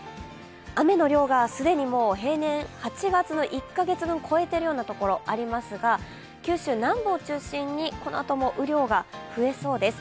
雨の量が既に平年８月の１か月分超えているようなところありますが九州南部を中心に、このあとも雨量が増えそうです。